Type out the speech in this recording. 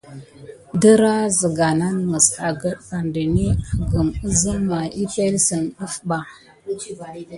Dərah zəga nan məs agət ɓa dəni agəm əzəm may əpelsən ɗəf ɓa.